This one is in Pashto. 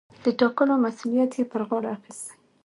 د ټاکلو مسووليت يې پر غاړه اخىستى.